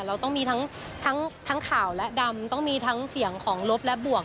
เราต้องมีทั้งข่าวและดำต้องมีทั้งเสียงของลบและบวก